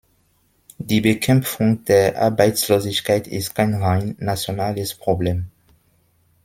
Die Bekämpfung der Arbeitslosigkeit ist kein rein nationales Problem.